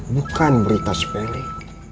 bukan berita sepilih